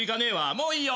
もういいよ。